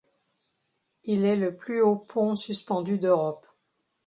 Il est le plus haut pont suspendu d'Europe.